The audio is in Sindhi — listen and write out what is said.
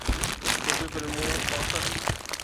ڪجھ فلمون اوسط